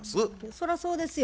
そらそうですよ。